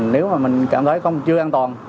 nếu mà mình cảm thấy không chưa an toàn